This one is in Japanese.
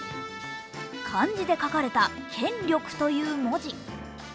漢字で書かれた「権力」という文字。